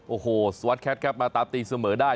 โอ้โหสวัสดิแคทครับมาตามตีเสมอได้